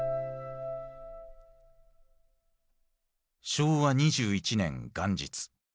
昭和２１年元日。